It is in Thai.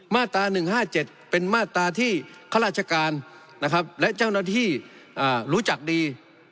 มาตรา๑๕๗เป็นมาตราที่ข้าราชการนะครับและเจ้าหน้าที่รู้จักดี